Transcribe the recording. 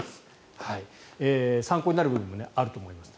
参考になる部分もあると思います。